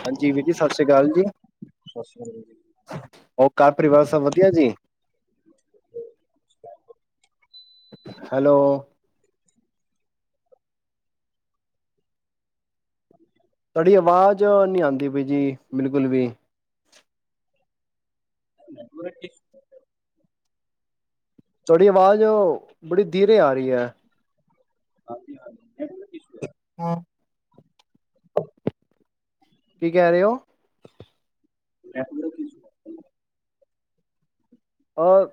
ਹਾਂਜੀ ਵੀਰ ਜੀ, ਸਤਿ ਸ੍ਰੀ ਅਕਾਲ ਜੀ, ਹੋਰ ਕਾਰ ਪਰਿਵਾਰ ਸਭ ਵਧੀਆ ਜੀ। ਹੈਲੋ। ਤੁਹਾਡੀ ਆਵਾਜ਼ ਨੀ ਆਂਦੀ ਬਈ ਜੀ ਬਿਲਕੁਲ ਵੀ। ਨੈੱਟਵਰਕ ਇਸ਼ ਤੁਹਾਡੀ ਆਵਾਜ਼ ਬੜੀ ਧੀਰੇ ਆ ਰਹੀ ਏ। ਹਾਂਜੀ ਹਾਂਜੀ ਹੈ, [unintelligible] ਕੀ ਕਹਿ ਰਹੇ ਹੋ। ਹੈ। ਅ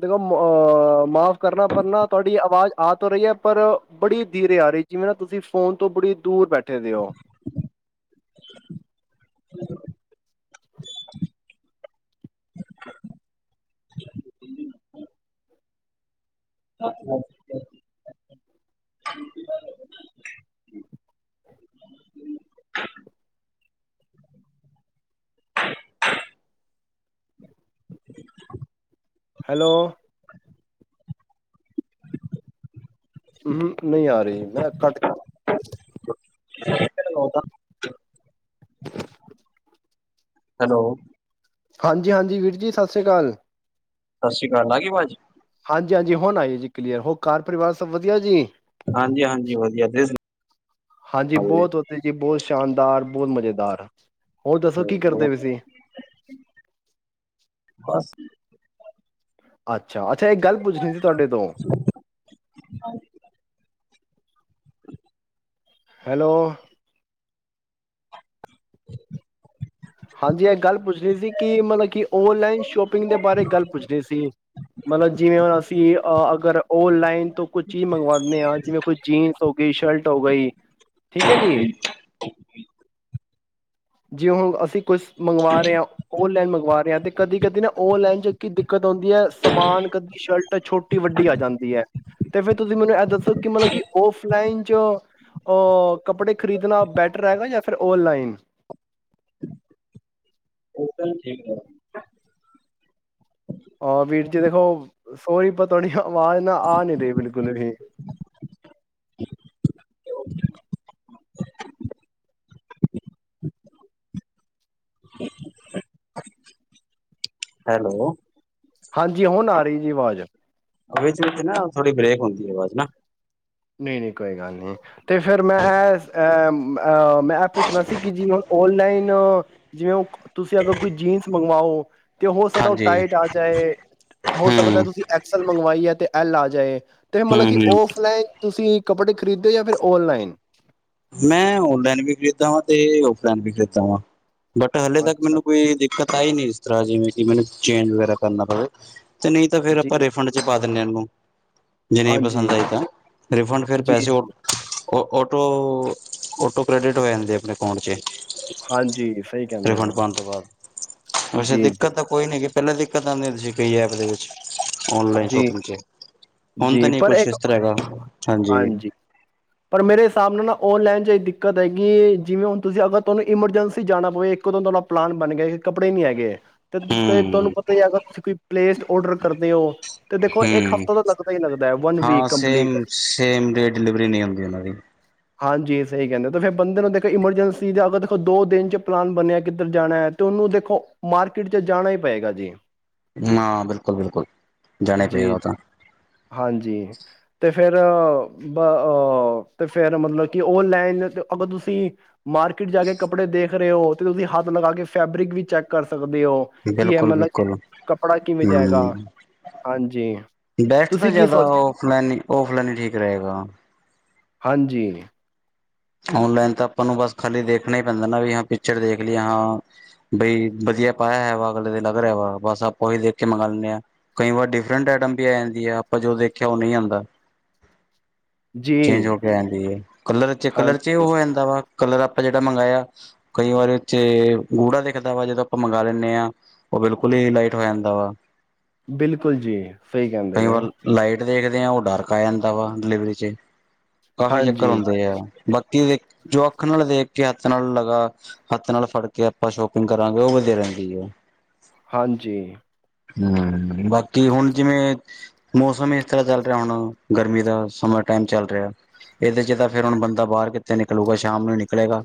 ਦੇਖੋ ਮਾਅ ਮਾਫ਼ ਕਰਨਾ ਪਰਨਾ ਤੁਹਾਡੀ ਆਵਾਜ਼ ਆ ਤਾ ਰਹੀ ਏ ਪਰ ਬੜੀ ਧੀਰੇ ਆ ਰਹੀ ਜਿਵੇਂ ਨਾ ਤੁਸੀਂ ਫ਼ੋਨ ਤੋਂ ਬੜੀ ਦੂਰ ਬੈਠੇ ਦੇ ਹੋ। [unintelligible] [unintelligible] ਹੈਲੋ। ਹੁੰ, ਨਹੀਂ ਆ ਰਹੀ ਮੈਂ ਕੱਟ [unintelligible] ਹੈਲੋ। ਹਾਂਜੀ ਹਾਂਜੀ ਵੀਰ ਜੀ ਸਤਿ ਸ੍ਰੀ ਅਕਾਲ। ਸਤਿ ਸ਼੍ਰੀ ਅਕਾਲ, ਆਗੀ ਆਵਾਜ। ਹਾਂਜੀ ਹਾਂਜੀ ਹੁਣ ਆਈਏ ਜੀ ਏ ਕਲੀਅਰ, ਹੋਰ ਕਾਰ ਪਰਿਵਾਰ ਸਭ ਵਧੀਆ ਜੀ? ਹਾਂਜੀ ਹਾਂਜੀ ਵਧੀਆ ਹਾਂਜੀ ਸੁਣਾਓ ਵੀਰੇ ਬਹੁਤ ਵਦੀਆਂ ਜੀ, ਬਹੁਤ ਸ਼ਾਨਦਾਰ, ਬਹੁਤ ਮਜ਼ੇਦਾਰ। ਹੋਰ ਦੱਸੋ ਕੀ ਹੋਰ ਕਰਦੇ ਬਏ ਸੀ? ਬਸ। ਅੱਛਾ, ਅੱਛਾ ਇੱਕ ਗੱਲ ਪੁੱਛਣੀ ਸੀ? ਤੁਹਾਡੇ ਤੋਂ। ਹੈਲੋ। ਹਾਂਜੀ ਇਹ ਗੱਲ ਪੁੱਛਨੀ ਸੀ ਕਿ ਮਤਲਬ ਕਿ ਔਨਲਾਈਨ ਸ਼ੋਪਿੰਗ ਦੇ ਬਾਰੇ ਗੱਲ ਪੁੱਛਨੀ ਸੀ, ਮਤਲਬ ਜਿਵੇਂ ਹੁਣ ਅਸੀਂ ਅਗਰ ਔਨਲਾਈਨ ਤੋਂ ਕੁਝ ਚੀਜ਼ ਮੰਗਵਾਂਨੇ ਹਾਂ ਜਿਵੇਂ ਕੋਈ ਜੀਨਸ ਹੋ ਗਈ, ਸ਼ਲਟ ਹੋ ਗਈ, ਠੀਕ ਹੈ ਜੀ, ਜੀ ਹੁਣ ਅਸੀ ਕੁਸ ਮੰਗਵਾ ਰਹੇ ਹਾਂ, ਔਨਲਾਈਨ ਮੰਗਵਾ ਰਹੇ ਹਾਂ, ਤੇ ਕਦੀ-ਕਦੀ ਨਾ ਔਨਲਾਈਨ ਚ ਕਿ ਦਿੱਕਤ ਆਂਦੀ ਏ ਸਮਾਨ ਕਦੀ ਸ਼ਲਟ ਛੋਟੀ-ਵੱਡੀ ਆ ਜਾਂਦੀ ਏ। ਤੇ ਫੇਰ ਤੁਸੀਂ ਮੈਨੂੰ ਏ ਦੱਸੋ ਕਿ ਮਲਬ ਕੀ ਔਫਲਾਈਨ ਚ ਅ ਕੱਪੜੇ ਖਰੀਦਣਾ ਬੈਟਰ ਹੈਗਾ ਯਾ ਫਿਰ ਔਨਲਾਈਨ? ਔਨਲਾਈਨ ਠੀਕ ਏ। ਆ, ਵੀਰ ਜੀ ਦੇਖੋ ਸੋਰੀ ਪਰ ਤੁਹਾਡੀ ਆਵਾਜ਼ ਨਾ ਆ ਨਹੀ ਰਹੀ ਬਿਲਕੁਲ ਵੀ। ਹੈਲੋ। ਹਾਂਜੀ ਹੁਣ ਆ ਰਹੀ ਜੀ ਆਵਾਜ਼। ਵਿੱਚ-ਵਿੱਚ ਨਾ ਥੋੜੀ ਬਰੇਕ ਹੁੰਦੀ ਆਵਾਜ਼ ਨਾ। ਨਹੀਂ ਨਹੀਂ ਕੋਈ ਗੱਲ ਨਹੀਂ ਤੇ ਫਿਰ ਮੈਂ ਪੁੱਛਣਾ ਸੀ ਕਿ ਜੀ ਆਨਲਾਈਨ ਜਿਵੇਂ ਤੁਸੀਂ ਕੋਈ ਜੀਨਸ ਮੰਗਵਾਓ ਤੇ ਹੋ ਸਕਦਾ ਉਹ ਹਾਂਜੀ ਟਾਈਟ ਆ ਜਾਏ, ਹੋ ਸਕਦਾ ਹੂੰ ਤੁਸੀਂ ਐਕਸਲ ਮੰਗਵਾਈ ਹੈ। ਤੇ ਐਲ ਆ ਜਾਏ। ਤੇ ਹੂੰ ਮਤਲਬ ਕਿ ਹੂੰ ਔਫਲਾਈਨ ਤੁਸੀਂ ਕੱਪੜੇ ਖਰੀਦੇ ਯਾ ਫਿਰ ਓਨਲਾਈਨ? ਮੈਂ ਓਨਲਾਈਨ ਵੀ ਖਰੀਦਾ ਵਾਂ, ਤੇ ਓਫਲਾਈਨ ਵੀ ਖਰੀਦਾ ਵਾ। ਬਟ ਹਲੇ ਤੱਕ ਅੱਛਾ ਮੈਨੂੰ ਕੋਈ ਦਿੱਕਤ ਆਈ ਨੀ ਇਸ ਤਰ੍ਹਾਂ ਜਿਵੇਂ [unintelligible] ਚੇਂਜ ਵਗੈਰਾ ਕਰਨਾ ਪਵੇ। ਤੇ ਨਹੀਂ ਤਾਂ ਫੇਰ ਜੀ ਆਪਾਂ ਰਿਫੰਡ ਚ ਪਾ ਦਿੰਦੇ ਹਾਂ ਇਹਨੂੰ। ਜੇ ਨਹੀਂ ਪਸੰਦ ਹਾਂਜੀ ਆਈ ਤਾਂ, ਰਿਫੰਡ ਫਿਰ ਜੀ ਪੈਸੇ ਉ ਜੀ ਓ ਓਟੋ। ਓ ਉਟੋ ਕ੍ਰੈਡਿਟ ਹੋ ਜਾਂਦੀ ਆਪਣੇ ਅਕਾਊਂਟ ਚ। ਹਾਂਜੀ ਸਹੀ ਕਹਿੰਦੇ ਪਏ ਰਿਫੰਡ ਹੋ ਪਾਉਣ ਤੋਂ ਬਾਅਦ, ਵੈਸੇ ਜੀ ਜੀ ਦਿੱਕਤ ਤਾਂ ਕੋਈ ਨੀ। ਪਹਿਲੇ ਦਿੱਕਤ ਆਉਂਦੀ ਹੁੰਦੀ ਸੀ ਕਈ ਐਪ ਦੇ ਵਿੱਚ। ਓਨਲਾਈਨ ਜੀ ਸ਼ੋਪਿੰਗ ਚ, ਹੁਣ ਤਾਂ ਜੀ ਨਹੀਂ ਪਰ ਕੁਛ ਇੱਕ ਇਸ ਤਰ੍ਹਾਂ ਹੈਗਾ? ਹਾਂਜੀ। ਪਰ ਮੇਰੇ ਹਿਸਾਬ ਨਾਲ ਨਾ ਔਨਲਾਈਨ ਚ ਏ ਦਿੱਕਤ ਹੈਗੀ ਏ ਜਿਵੇਂ ਹੁਣ ਤੁਸੀਂ ਅਗਰ ਤੁਹਾਨੂੰ ਇਮਰਜੈਂਸੀ ਜਾਣਾ ਪਵੇ, ਇੱਕੋ ਦਮ ਤੁਹਾਡਾ ਪਲਾਨ ਬਣ ਗਿਆ, ਕਿ ਕੱਪੜੇ ਨੀ ਹੈਗੇ ਤੇ ਤੁਹਾਨੂੰ ਹੂੰ ਪਤਾ ਹੀ ਹੈਗਾ ਤੁਸੀਂ ਕੋਈ ਪਲੇਸਡ ਔਡਰ ਕਰਦੇ ਹੋ। ਤੇ ਦੇਖੋ ਇੱਕ ਹਮ, ਹਫ਼ਤਾ ਤਾਂ ਲੱਗਦਾ ਹੀ ਲੱਗਦਾ ਹੈ ਵਨ ਹਾਂ week complete same same date delivery ਨਹੀਂ ਹੁੰਦੀ ਉਹਨਾਂ ਦੀ। ਹਾਂਜੀ, ਸਹੀ ਕਹਿੰਦੇ ਤਾਂ ਫੇਰ ਬੰਦੇ ਨੂੰ ਦੇਖੋ ਇਮਰਜੈਂਸੀ ਜਾਂ ਤਾਂ ਦੇਖੋ ਦੋ ਦਿਨ ਚ ਪਲਾਨ ਬਣਿਆ ਕਿੱਧਰ ਜਾਣਾ ਹੈ, ਤੇ ਉਹਨੂੰ ਦੇਖੋ ਮਾਰਕੀਟ ਚ ਜਾਣਾ ਹੀ ਪਏਗਾ ਜੀ। ਹਾਂ ਬਿਲਕੁਲ-ਬਿਲਕੁਲ। ਜੀ, ਹਾਂਜੀ ਤੇ ਫੇਰ ਬਹ ਉਹ ਤੇ ਫੇਰ ਮਤਲਬ ਕਿ ਓਨਲਾਈਨ ਅਗਰ ਤੁਸੀਂ ਮਾਰਕੀਟ ਜਾ ਕੇ, ਕੱਪੜੇ ਦੇਖ ਕਰਿਓ, ਤੇ ਤੁਸੀਂ ਹੱਥ ਲਗਾ ਕੇ ਫੈਬਰਿਕ ਵੀ ਚੈੱਕ ਕਰ ਸ ਸਕਦੇ ਹੋ ਕੀ, ਏਹ ਬਿਲਕੁਲ ਮਲਬ ਬਿਲਕੁਲ ਕੱਪੜਾ ਕਿਵੇਂ ਜਾ ਹੈਗਾ? ਹੂੰ ਬੈਸਟ ਤਾਂ ਜਿਆਦਾ ਸੋਚ ਔਫਲਾਈਨ ਹੀ, ਔਫਲਾਈਨ ਹੀ ਠੀਕ ਰਹੇਗਾ। ਹਾਂਜੀ। ਓਨਲਾਈਨ ਤਾਂ ਆਪਾਂ ਨੂੰ ਬਸ ਖਾਲੀ ਦੇਖਣਾ ਹੀ ਪੈਂਦਾ ਨਾ, ਵੀ ਹਾਂ ਪਿਕਚਰ ਦੇਖ ਲਈ ਹਾਂ, ਬਈ ਵਧੀਆ ਪਾਇਆ ਹੈ ਵਾ ਅਗਲੇ ਦੇ ਲੱਗ ਰਿਹਾ ਵਾ, ਬਸ ਆਪਾਂ ਉਹੀ ਦੇਖ ਕੇ ਮੰਗਾ ਲੈਂਣੇ ਹਾਂ, ਕਈ ਵਾਰ ਡਿਫਰੈਂਟ ਆਈਟਮ ਬੀ ਆ ਜਾਂਦੀ ਆ, ਆਪਾਂ ਜੋ ਦੇਖਿਆ ਉਹ ਨਹੀਂ ਆਉਂਦਾ। ਜੀ ਚੇਂਜ ਹੋ ਕੇ ਆ ਜਾਂਦੀ ਹੈ ਕਲਰ ਕਲਰ ਚੇ ਹਾਂਜੀ ਹੋ ਯਾਂਦਾ ਵਾ? ਕਲਰ ਆਪਾਂ ਜਿਹੜਾ ਮੰਗਾਇਆ, ਕਈ ਵਾਰੀ ਚੇ ਗੂੜਾ ਦਿਖਦਾ ਵਾ, ਜਦੋਂ ਆਪਾਂ ਮੰਗਾ ਲੈਂਣੇ ਆ, ਉਹ ਬਿਲਕੁਲ ਹੀ ਲਾਈਟ ਹੋ ਜਾਂਦਾ ਵਾ। ਬਿਲਕੁਲ ਜੀ, ਸਹੀ ਕਹਿੰਦੇ ਕਈ ਹੋ। ਵਾਰ ਲਾਈਟ ਦੇਖਦੇ ਹਾਂ ਉਹ ਡਾਰਕ ਆ ਜਾਂਦਾ ਵਾ, ਡਿਲੀਵਰੀ ਚ। ਕਾਫ਼ੀ ਚੱਕਰ ਹਾਂਜੀ ਹੁੰਦੇ ਆ। ਬਾਕੀ ਵੇਖ ਜੋ ਅੱਖ ਨਾਲ ਦੇਖ ਕੇ, ਹੱਥ ਨਾਲ ਲਗਾ ਹੱਥ ਨਾਲ ਫੜ ਕੇ ਆਪਾਂ ਸ਼ੋਪਿੰਗ ਕਰਾਂਗੇ ਉਹ ਵਧੀਆ ਰਹਿੰਦੀ ਹੈ। ਹਾਂਜੀ। ਹਮ ਬਾਕੀ ਹੁਣ ਜਿਵੇਂ ਮੌਸਮ ਇਸ ਤਰ੍ਹਾਂ ਚੱਲ ਰਿਹਾ ਹੁਣ ਗਰਮੀ ਦਾ, ਸਮਾਂ ਟਾਈਮ ਚੱਲ ਰਿਹਾ ਇਹਦੇ ਚ ਤਾਂ ਫਿਰ ਹੁਣ ਬੰ ਦਾ ਬਾਹਰ ਕਿੱਥੇ ਨਿਕਲੂਗਾ ਸ਼ਾਮ ਨੂੰ ਨਿਕਲੇਗਾ।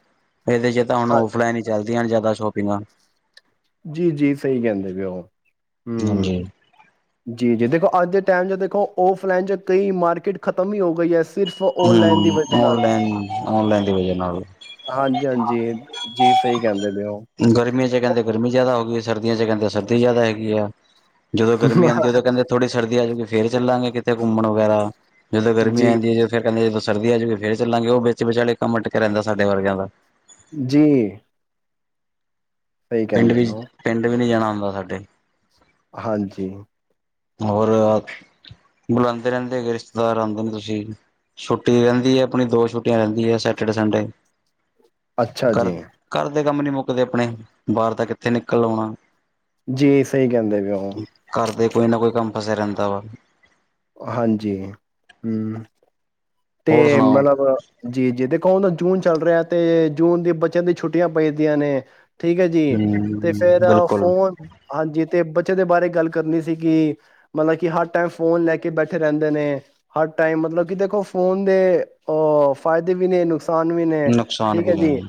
ਇਹਦੇ ਚ ਤਾਂ ਹੁਣ ਹਾਂ ਆਫਲਾਈਨ ਇਹ ਚਲ ਦੀਆ ਜ਼ਿਆਦਾ ਸ਼ੋਪਿੰਗਾਂ। ਜੀ-ਜੀ ਸਹੀ ਕਹਿੰਦੇ ਪਏ ਉਹ। ਹਾਂਜੀ। ਜੀ-ਜੀ ਦੇਖੋ ਅੱਜ ਦੇ ਟਾਈਮ ਚ ਦੇਖੋ, ਔਫਲਾਈਨ ਚ ਕਈ ਮਾਰਕੀਟ ਖਤਮ ਹੀ ਹੋ ਗਈ ਹੈ। ਸਿਰਫ ਔਨਲਾਈਨ ਦੀ ਵਜ੍ਹਾ ਹਮ ਨਾਲ ਓਨਲਾਈਨ-ਓਨਲਾਈਨ ਦੀ ਵਜਾ ਨਾਲ, ਹਾਂਜੀ-ਹਾਂਜੀ, ਜੀ ਸਹੀ ਕਹਿੰਦੇ ਪਏ ਓ। ਗਰਮੀਆਂ ਚ ਕਹਿੰਦੇ ਗਰਮੀ ਜਿਆਦਾ ਹੋ ਗਈ। ਸਰਦੀਆਂ ਚ ਕਹਿੰਦੇ ਸਰਦੀ ਜ਼ਿਆਦਾ ਹੈਗੀ ਆ। ਜਦੋਂ ਗਰਮੀ ਆਂਦੀ, ਉਦੋਂ ਕਹਿੰਦੇ ਥੋੜ੍ਹੀ ਸਰਦੀ ਆ ਜੂਗੀ ਫੇਰ ਚੱਲਾਂਗੇ ਕਿਤੇ ਘੁੰਮਣ ਵਗੈਰਾ। ਜਦੋਂ ਗਰਮੀ ਜੀ, ਆਉਂਦੀ ਹੈ ਜਦ ਕਹਿੰਦੇ ਜਦੋਂ ਸਰਦੀ ਆ ਜੂਗੀ ਫੇਰ ਚੱਲਾਂਗੇ, ਉਹ ਵਿੱਚ ਵਿਚਾਲੇ ਕੰਮ ਅਟਕਿਆ ਰਹਿੰਦਾ ਸਾਡੇ ਵਰਗਿਆਂ ਦਾ। ਜੀ। ਸਹੀ ਪਿੰਡ ਕਹਿੰਦੇ ਵੀ ਪਏ ਓ, ਪਿੰਡ ਵੀ ਨਹੀਂ ਜਾਣਾ। [unintelligible] ਸਾਡੇ ਹਾਂਜੀ। ਹੋਰ ਬੁਲਾਉਂਦੇ ਰਹਿੰਦੇ ਹੈਗੇ ਰਿਸ਼ਤੇਦਾਰ, ਆਉਂਦੇ ਨੀ ਤੁਸੀਂ ਛੁੱਟੀ ਰਹਿੰਦੀ ਹੈ ਆਪਣੀ, ਦੋ ਛੁੱਟੀਆਂ ਰਹਿੰਦੀ ਹੈ ਸੈਟਰਡੇ ਸੰਡੇ। ਅੱਛਾ ਘਰ ਜੀ। ਘਰ ਕੰਮ ਨੀ ਮੁੱਕਦੇ ਆਪਣੇ, ਬਾਹਰ ਤਾਂ ਕਿੱਥੇ ਨਿਕਲ ਹੋਣਾ। ਜੀ ਸਹੀ ਕਹਿੰਦੇ ਪਏ ਹੋ। ਘਰ ਦੇ ਕੋਈ ਨਾ ਕੋਈ ਕੰਮ ਫਸਿਆ ਰਹਿੰਦਾ ਵਾ। ਹਾਂਜੀ ਹਮ। ਹੋਰ ਤੇ ਸੁਣਾਓ ਮਤਲਬ ਜੀ-ਜੀ [unintelligible] ਜੂਨ ਚੱਲ ਰਿਹਾ ਤੇ ਜੂਨ ਦੀ ਬੱਚਿਆਂ ਦੀ ਛੁੱਟੀਆਂ ਪਈ ਦੀਆਂ ਨੇ। ਠੀਕ ਹੈ ਜੀ ਤੇ ਹੂੰ ਫੇਰ ਬਿਲਕੁਲ ਫੋਨ ਹਾਂਜੀ ਤੇ ਬੱਚੇ ਦੇ ਬਾਰੇ ਗੱਲ ਕਰਨੀ ਸੀ ਕਿ ਮਤਲਬ ਕਿ ਹਰ ਟਾਈਮ ਫੋਨ ਲੈ ਕੇ ਬੈਠੇ ਰਹਿੰਦੇ ਨੇ ਹਰ ਟਾਈਮ ਮਤਲਬ ਕਿ ਦੇਖੋ ਫੋਨ ਦੇ ਅਹ ਫਾਇਦੇ ਵੀ ਨੇ ਨੁਕ ਸਾਨ ਵੀ ਨੇ ਨੁਕਸਾਨ ਠੀਕ ਵੀ ਹੈ ਜੀ ਨਹੀਂ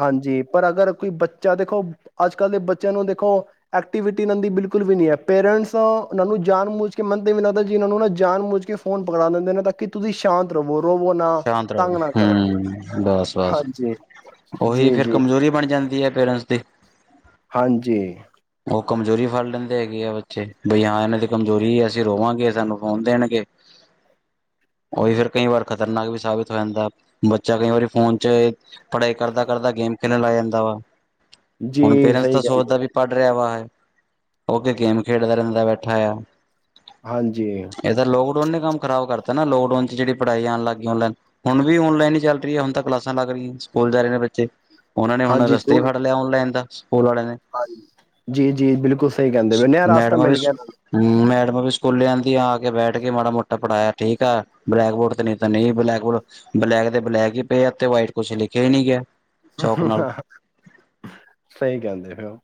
ਹਾਂਜੀ। ਪਰ ਅਗਰ ਕੋਈ ਬੱਚਾ ਦੇਖੋ ਅੱਜ ਕੱਲ੍ਹ ਦੇ ਬੱਚਿਆਂ ਨੂੰ ਦੇਖੋ ਐਕਟੀਵਿਟੀ ਇਹਨਾਂ ਦੀ ਬਿਲਕੁਲ ਵੀ ਨੀ ਹੈ ਪੇਰੈਂਟਸ ਇਹਨਾਂ ਨੂੰ ਜਾਨ ਮੁੱਚ ਕੇ ਮੈਨ ਤੇ ਇਵੇਂ ਲੱਗਦਾ ਤੇ ਇਵੇਂ ਲੱਗਦਾ ਜੀ ਇਹਨਾਂ ਨੂੰ ਜਾਨ ਮੂਚ ਕੇ ਕੇ ਫੋਨ ਪਕੜਾ ਦਿੰਦੇ ਨੇ ਤਾਂ ਕਿ ਤੁਸੀਂ ਸ਼ਾਂਤ ਰਵੋ। ਰੋਵੋ ਨਾ ਸ਼ਾਂਤ ਰ ਤੰਗ ਨਾ ਕਰੋ ਹਮ ਬਸ-ਬਸ ਹਾਂਜੀ ਉਹੀ ਜੀ ਫਿਰ ਜੀ ਕਮਜ਼ੋਰੀ ਬਣ ਜਾਂਦੀ ਹੈ, ਪੇਰੈਂਟਸ ਦੀ ਹਾਂਜੀ ਉਹ ਕਮਜ਼ੋਰੀ ਫੜ ਲੈਂਦੇ ਹੈਗੇ ਆ ਬੱਚੇ ਬਈ ਹਾਂ ਇਹਨਾਂ ਦੀ ਕਮਜ਼ੋਰੀ ਅਸੀਂ ਰੋਵਾਂਗੇ ਸਾਨੂੰ ਫ਼ੋਨ ਦੇਣਗੇ ਉਹੀ ਫਿਰ ਕਈ ਵਾਰ ਖ਼ਤਰਨਾਕ ਵੀ ਸਾਬਿਤ ਹੋ ਜਾਂਦਾ, ਬੱਚਾ ਕਈ ਵਾਰੀ ਫੋਨ ਚ ਪੜ੍ਹਾਈ ਕਰਦਾ ਕਰਦਾ ਗੇਮ ਖੇਲਣ ਲੱਗ ਜਾਂਦਾ ਵਾ ਹੁਣ ਜੀ ਪੇਰੈਂਟਸ ਸਹੀ ਤਾਂ ਕਹਿੰਦੇ ਸੋਚਦਾ [unintelligible] ਗੇਮ ਖੇਡਦਾ ਰਹਿੰਦਾ ਬੈਠਾ ਆ ਹਾਂਜੀ ਓੰਨੇ ਕੰਮ ਖਰਾਬ ਕਰਤਾ ਨਾ ਲੋਕਡਊਨ ਜਿਹੜੀ ਪੜ੍ਹਾਈ ਆਉਣ ਲੱਗ ਗਈ ਆਨਲਾਈਨ ਹੁਣ ਵੀ ਆਨਲਾਈਨ ਹੀ ਚਲ ਰਹੀ ਹੁਣ ਤਾਂ ਕਲਾਸਾਂ ਲੱਗ ਰਹੀਆਂ ਸਕੂਲ ਜਾ ਰਹੇ ਨੇ ਬੱਚੇ ਉਹ ਨੇ ਹੁਣ ਹਾਂਜੀ ਰਸਤੇ ਜ਼ਰੂਰ ਫੜ ਲਿਆ ਔਨ-ਲਾਈਨ ਦਾ ਸਕੂਲ ਵਾਲਿਆਂ ਨੇ ਹਾਂਜੀ ਜੀ ਜੀ ਬਿਲਕੁਲ ਸਹੀ ਕਹਿੰਦੇ ਬ ਨਿਆ ਰਸਤਾ ਮਿਲ ਗਿਆ ਇਹਨਾ ਨੂੰ ਮੈਡਮ ਵੀ ਸਕੂਲ ਆਂਦੀਆ ਕੇ ਬੈਠ ਕੇ ਮਾੜਾ ਮੋਟਾ ਪੜਾਇਆ ਠੀਕ ਆ, ਬਲੈਕ ਬੋਰਡ ਤੇ ਨਹੀਂ ਤਾਂ ਨਹੀਂ ਬਲੈਕ ਬੋਰਡ ਬਲੈਕ ਤੇ ਬਲੈਕ ਹੀ ਪਏ ਤੇ, ਵਾਈਟ ਕੁਛ ਲਿਖਿਆ ਹੀ ਨਹੀ ਗਿਆ ਚੌਕ ਨਾਲ ਸਹੀ ਕਹਿੰਦੇ ਫਿਰ ਉਹ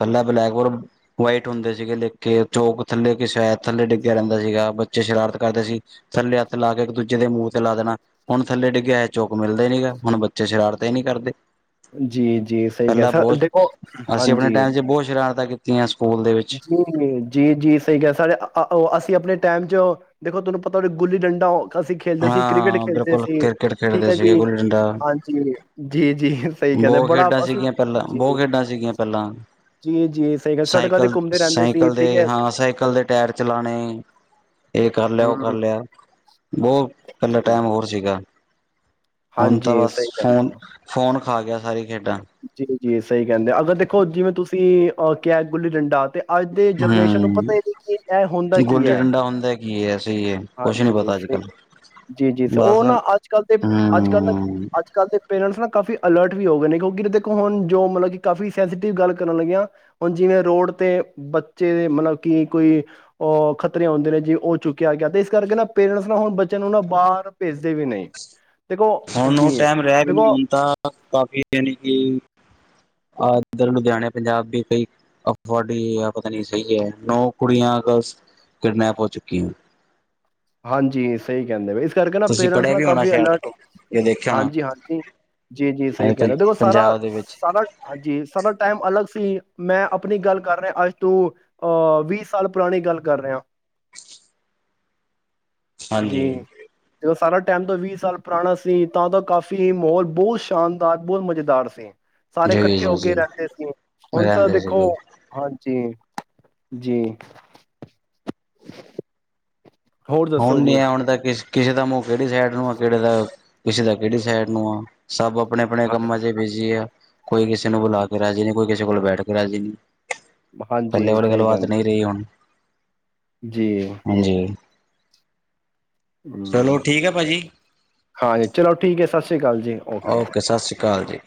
ਥੱਲੇ ਬਲੈਕ ਔਰ ਵਾਈਟ ਹੁੰਦੇ ਸੀਗੇ ਲਿਖ ਚੌਕ ਥੱਲੇ ਕਿਸ ਥੱਲੇ ਡਿੱਗਿਆ ਰਹਿੰਦਾ ਸੀਗਾ ਬੱਚੇ ਸ਼ਰਾਰਤ ਕਰਦੇ ਸੀ ਥੱਲੇ ਹੱਥ ਲਾ ਕੇ ਇੱਕ ਦੂਜੇ ਦੇ ਮੂੰਹ ਤੇ ਲਾ ਦੇਣਾ ਹੁਣ ਥੱਲੇ ਡਿੱਗਿਆ ਇਹ ਚੌਕ ਮਿਲਦੇ ਨੀ ਹੁਣ ਬੱਚੇ ਸ਼ਰਾਰਤ ਨਹੀ ਕਰਦੇ ਜੀ-ਜੀ ਸਹੀ ਪਹਿਲਾਂ ਕਿਹਾ, ਬਹੁਤ ਦੇਖੋ ਅਸੀਂ ਆਪਣੇ ਹਾਂਜੀ ਟਾਈਮ ਬਹੁਤ ਸ਼ਰਾਰਤਾ ਕੀਤੀਆਂ ਸਕੂਲ ਦੇ ਵਿੱਚ ਜੀ ਜੀ ਜੀ ਸਹੀ ਕਿਹਾ ਸਾਡ ਉਹ ਅਸੀਂ ਆਪਣੇ ਟਾਈਮ ਚ ਦੇਖੋ ਤੁਹਾਨੂੰ ਪਤਾ ਉਹੇ ਗੁੱਲੀ ਡੰਡਾ ਅਸੀਂ ਖੇਲਦੇ ਸੀ ਕ੍ਰਿਕਟ ਹਾਂ ਖੇਲਦੇ ਬਿਲਕੁਲ ਸੀ ਕ੍ਰਿਕਟ ਠੀਕ ਖੇਡਦੇ ਹੈ, ਸੀਗੇ ਜੀ ਗੁੱਲੀ ਡੰਡਾ ਹਾਂਜੀ ਜੀ- ਜੀ ਸਹੀ ਕਹਿੰਦੇ ਬਹੁਤ ਬੜਾ ਖੇਡਾਂ ਅਸੀਂ ਸੀਗੀਆਂ ਪਹਿਲਾਂ ਜੀ, ਬਹੁਤ ਖੇਡਾਂ ਸੀਗੀਆਂ ਪਹਿਲਾਂ ਜੀ, ਜੀ ਸਹੀ ਗੱਲ ਸੜਕਾਂ ਤੇ ਸਾਈਕਲ ਘੁੰਮਦੇ ਰਹਿੰਦੇ ਸੀ ਸਾਈਕਲ ਦੇ ਠੀਕ ਹੈ, ਹਾਂ ਸਾਈਕਲ ਦੇ ਟਾਇਰ ਚਲਾਣੇ ਇਹ ਕਰ ਲਿਆ ਉਹ ਕਰ ਹੂੰ, ਲਿਆ ਬਹੁਤ ਪਹਿਲਾ ਜੀ, ਟਾਈਮ ਹੋਰ ਸੀਗਾ ਹੁਣ ਤਾਂ ਹਾਂਜੀ ਬਸ ਸਹੀ ਕਹਿੰਦੇ ਹੋ। ਫੋਨ-ਫੋਨ ਖਾ ਗਿਆ ਸਾਰੇ ਜੀ ਜੀ ਸਹੀ ਗੱਲ ਐ, ਅਗਰ ਦੇਖੋ ਜਿਵੇਂ ਤੁਸੀਂ ਅਹ ਕਿਆ ਗੁੱਲੀ ਡੰਡਾ ਤੇ ਅੱਜ ਦੇ ਜਨਰੇਸ਼ਨ ਨੂੰ ਹਮ ਪਤਾ ਹੀ ਨ੍ਹੀਂ ਕਿ ਇਹ ਹੁੰਦਾ ਕੀ ਹੈ ਯਸ ਹਾਂਜੀ ਜੀ ਜੀ ਉਹ ਬਸ ਹਮ ਨਾ ਅੱਜ ਕੱਲ ਦੇ ਅੱਜ ਕੱਲ ਅੱਜ ਕੱਲ੍ਹ ਦੇ ਪੇਰੈਂਟਸ ਨਾ ਕਾਫੀ ਅਲਰਟ ਵੀ ਹੋ ਗਏ ਨੇ ਕਿਉਂਕਿ ਦੇਖੋ ਹੁਣ ਜੋ ਮਤਲਬ ਕਿ ਕਾਫ਼ੀ ਸੈਂਸਟਿਵ ਗੱਲ ਕਰਨ ਲੱਗੀਆਂ ਹੁਣ ਜਿਵੇਂ ਰੋਡ ਤੇ ਬੱਚੇ ਦੇ ਮਤਲਬ ਕਿ ਕੋਈ ਅ ਖਤਰੇ ਆਉਂਦੇ ਨੇ ਜੀ ਉਹ ਚੁੱਕਿਆ ਗਿਆ ਇਸ ਕਰਕੇ ਨਾ ਪੇਰੈਂਟਸ ਨਾ ਹੁਣ ਬੱਚਿਆਂ ਨੂੰ ਨਾ ਬਾਹਰ ਭੇਜ ਹੁਣ ਉਹ ਟਾਈਮ ਰਹਿ ਵੀ ਨਹੀਂ ਦੇਖੋ ਹੁੰਦਾ ਕਾਫੀ ਯਾਨੀ ਕਿ ਆਧ ਲੁਧਿਆਣੇ ਪੰਜਾਬ ਦੀ ਕਈ ਅ ਪਤ ਨਹੀਂ ਸਹੀ ਹੈ ਨੌ ਕੁੜੀਆਂ ਅ ਕਿਡਨੈਪ ਹੋ ਚੁੱਕੀਆਂ ਹਾਂਜੀ ਸਹੀ ਕਹਿੰਦੇ ਪੈ ਕਰਕੇ ਨਾ ਤੁਸੀਂ ਪੇਰੈਂਟਸ ਪੜ੍ਹਿਆ ਨਾਲ ਵੀ ਹੋਣਾ ਕਾਫੀ ਅਲਰਟ ਹੋਗੇ ਸ਼ਾਇਦ ਇਹ ਦੇਖਿਆ ਹੋਣਾ ਹਾਂਜੀ, ਹਾਂਜੀ ਜੀ ਜੀ, ਸਹੀ ਕਹਿ ਰੇ, ਦੇਖੋ ਪੰਜਾਬ ਦੇ ਵਿੱਚ ਸਾਰਾ-ਸਾਰਾ ਹਾਂਜੀ ਸਾਡਾ ਟਾਈਮ ਅਲੱਗ ਸੀ। ਅਂ ਮੈਂ ਆਪਣੀ ਗੱਲ ਕਰ ਰਿਹਾ ਅੱਜ ਤੋਂ ਅਹ ਵੀਹ ਸਾਲ ਪੁਰਾਣੀ ਗੱਲ ਕਰ ਰਿਆਂ। [unintelligible] ਹਾਂਜੀ ਜੀ ਤੇ ਉਹ ਸਾਰਾ ਟਾਈਮ ਤੋਂ ਵੀਹ ਸਾਲ ਪੁਰਾਣਾ ਸੀ ਤਾਂ ਤਾਂ ਕਾਫ਼ੀ ਮਾਹੌਲ ਬਹੁਤ ਸ਼ਾਨਦਾਰ ਬਹੁਤ ਮਜ਼ੇਦਾਰ ਸੀ। ਸਾਰੇ ਜੀ ਇਕੱਠੇ ਜੀ ਹੋ ਜੀ ਕੇ ਰਹਿੰਦੇ ਸੀ ਹੁਣ ਤਾਂ ਰਹਿੰਦੇ ਦੇਖੋ ਸੀਗੇ ਹਾਂਜੀ ਜੀ ਜੀ। ਹੋਰ ਦੱਸੋ ਹੁਣ ਨ ਜੀ? ਹੁਣ ਦਾ ਕਿਸ ਕਿਸੇ ਦਾ ਮੂੰਹ ਕਿਹੜੀ ਸਾਈਡ ਨੂੰ ਆ ਕਿਹੜੇ ਦਾ ਕਿਸੇ ਦਾ ਕਿਹੜੀ ਸਾਈਡ ਨੂੰ ਆ ਸਭ ਅਪ ਆਪਣੇ ਆਪਣੇ ਹਾਂ, ਕੰਮਾਂ ਚ ਬਿਜੀ ਐ। ਕੋਈ ਕਿਸੇ ਨੂੰ ਬੁਲਾ ਕੇ ਰਾਜੀ ਨਈਂ ਕੋਈ ਕਿਸ ਕਿਸੇ ਕੋਲ ਬੈਠ ਕੇ ਰਾਜੀ ਨਈਂ। ਪਹਿਲੇ ਹਾਂਜੀ ਵਾਲੀ ਸਹੀ ਗੱਲਬਤ ਕਹਿੰਦੇ। ਨਈਂ ਰਹੀ ਹੁਣ। ਜੀ। ਹਾਂਜੀ ਚਲੋ ਹਂ ਠੀਕ ਹੈ ਭਾਜੀ ਹਾਂਜੀ ਚਲੋ ਠੀਕ ਐ, ਸਤਿ ਸ੍ਰੀ ਅਕਾਲ ਜੀ। ਓਕੇ ਸਤਿ ਸ਼੍ਰੀ ਅ ਕਾਲ ਜੀ।